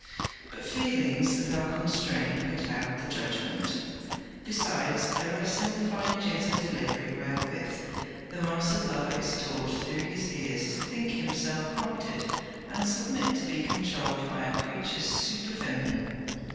But feelings that are constrained becloud the judgement besides arresting the fine jet of delivery wherewith the mastered lover is taught through his ears to think himself prompted, and submit to be controlled, by a creature super feminine.